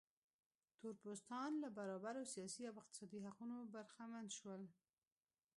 تور پوستان له برابرو سیاسي او اقتصادي حقونو برخمن شول.